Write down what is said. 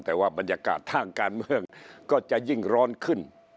แต่ว่าบรรยากาศทางการเมืองก็จะยิ่งร้อนขึ้น